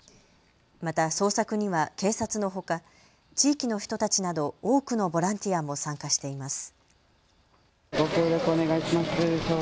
また捜索には警察のほか地域の人たちなど多くのボランティアも参加しています。